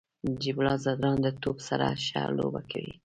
نجیب الله زدران د توپ سره ښه لوبه کوي.